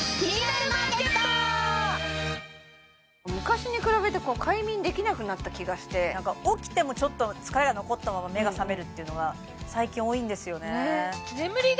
昔に比べてこう快眠できなくなった気がしてなんか起きてもちょっと疲れが残ったまま目が覚めるっていうのが最近多いんですよね